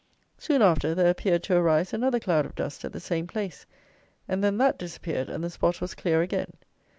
Soon after, there appeared to arise another cloud of dust at the same place, and then that disappeared, and the spot was clear again.